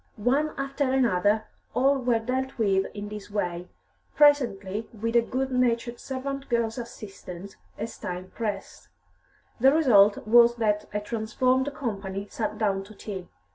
One after another, all were dealt with in this way, presently with a good natured servant girl's assistance, as time pressed. The result was that a transformed company sat down to tea.